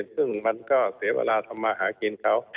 ซึ่งมันก็เสียเวลาทำมาหากินเขา